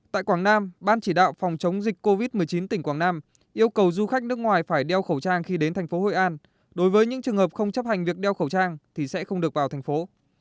tại quảng nam ban chỉ đạo phòng chống dịch covid một mươi chín tỉnh quảng nam yêu cầu du khách nước ngoài phải đeo khẩu trang khi đến thành phố hội an đối với những trường hợp không chấp hành việc đeo khẩu trang thì sẽ không được vào thành phố